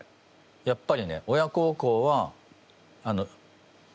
やっぱりね親孝行は。